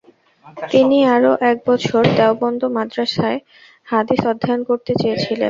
তিনি আরও একবছর দেওবন্দ মাদ্রাসায় হাদিস অধ্যয়ন করতে চেয়েছিলেন।